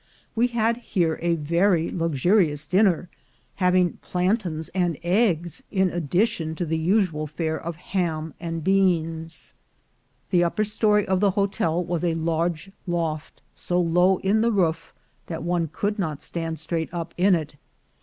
We had here a very luxurious dinner, having plan tains and eggs in addition to the usual fare of ham and beans. The upper story of the hotel was a large loft, so low in the roof that one could not stand straight up in it.